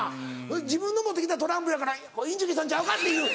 自分の持って来たトランプやからインチキしたんちゃうかっていう。